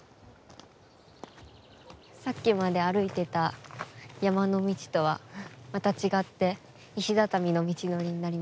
さっきまで歩いてた山の道とはまた違って石畳の道のりになりましたね。